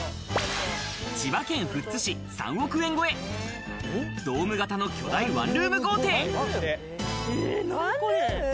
千葉県富津市、３億円超え、ドーム型の巨大ワンルーム豪邸。